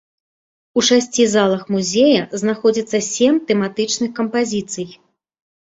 У шасці залах музея знаходзяцца сем тэматычных кампазіцый.